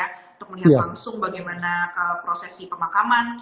untuk melihat langsung bagaimana prosesi pemakaman